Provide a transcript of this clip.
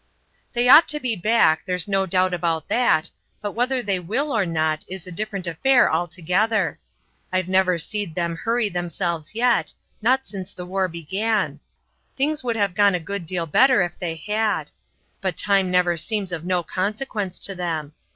"They ought to be back, there's no doubt about that, but whether they will or not is a different affair altogether. I've never seed them hurry themselves yet, not since the war began; things would have gone a good deal better if they had; but time never seems of no consequence to them.